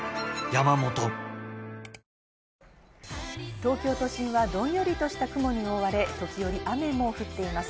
東京都心はどんよりとした雲に覆われ時折雨も降っています。